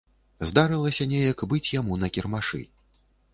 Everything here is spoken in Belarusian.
Здарылася неяк быць яму на кірмашы.